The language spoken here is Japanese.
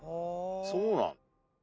そうなの？